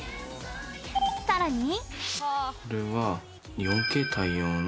さらに？